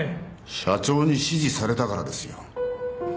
社長に指示されたからですよ。